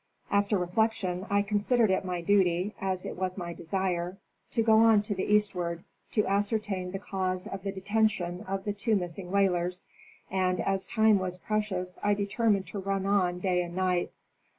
After reflection I considered it my duty, as it was my desire, to go on to the eastward to ascertain the cause of the detention of the two missing whalers, and as time was precious I determined to run on, day and night.